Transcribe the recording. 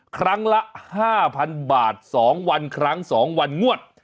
ครั้งละ๕๐๐๐บาท๒วันครั้ง๒วันงวด